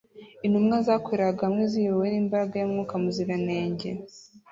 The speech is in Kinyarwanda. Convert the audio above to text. intumwa zakoreraga hamwe ziyobowe n’imbaraga ya Mwuka Muziranenge